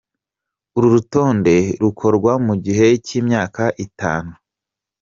Uru rutonde rukorwa mu gihe cy’imyaka itanu.